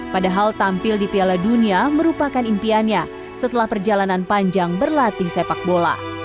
padahal tampil di piala dunia merupakan impiannya setelah perjalanan panjang berlatih sepak bola